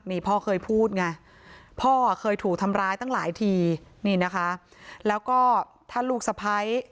นี่พ่อเคยพูดไงพ่อเคยถูกทำร้ายตั้งหลายทีนี่นะคะแล้วก็ถ้าลูกสะพ้าย